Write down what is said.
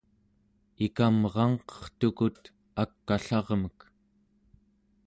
ikamrangqertukut ak'allarmek